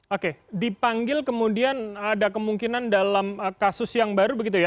oke dipanggil kemudian ada kemungkinan dalam kasus yang baru begitu ya